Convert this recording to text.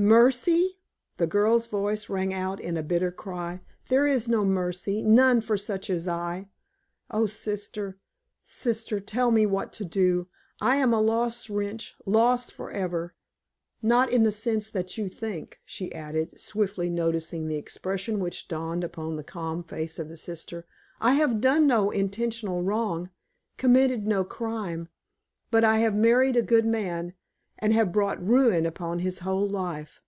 "Mercy?" The girl's voice rang out in a bitter cry. "There is no mercy, none, for such as I. Oh, sister sister, tell me what to do. I am a lost wretch, lost forever. Not in the sense that you think," she added, swiftly, noticing the expression which dawned upon the calm face of the sister. "I have done no intentional wrong, committed no crime; but I have married a good man, and have brought ruin upon his whole life.